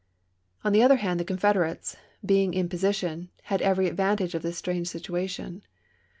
On the other hand, the Confederates, being in posi tion, had every advantage of this strange situation.